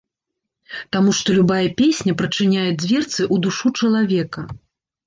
Таму што любая песня прачыняе дзверцы ў душу чалавека.